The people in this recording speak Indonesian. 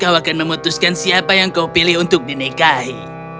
kau akan memutuskan siapa yang kau pilih untuk dinikahi